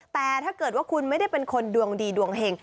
แต่ถ้าเกิดว่าคุณไม่ได้เป็นคนดวงดีดวงเห็ง